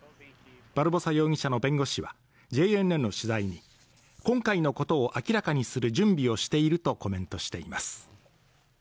バルボサ容疑者の弁護士はＪＮＮの取材に今回のことを明らかにする準備をしているとコメントしています